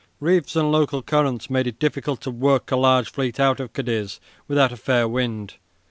Reefs and local currents made it difficult to work a large fleet out of Cadiz without a fair wind.